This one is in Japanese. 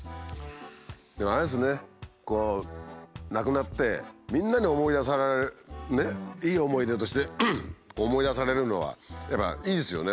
でもあれですねこう亡くなってみんなに思い出されるいい思い出として思い出されるのはやっぱいいですよね